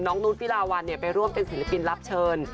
น้องนุฏฟิลาวัลเนี่ยไปร่วมเป็นศิลปินรับเชิญ